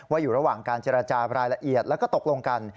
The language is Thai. อยู่ระหว่างการเจรจารายละเอียดแล้วก็ตกลงกัน